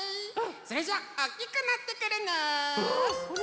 それじゃあおっきくなってくるね！